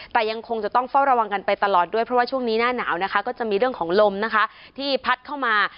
แต่ยังคงจะต้องเฝ้าระวังกันไปตลอดด้วยเพราะว่าช่วงนี้หน้าหนาวนะคะก็จะมีเรื่องของลมนะคะที่พัดเข้ามา